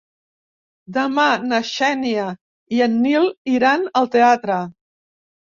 Demà na Xènia i en Nil iran al teatre.